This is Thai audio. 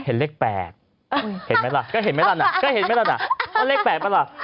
เห็นเลข๘เห็นไหมล่ะก็เห็นไหมล่ะก็เห็นไหมล่ะว่าเลข๘ปะล่ะ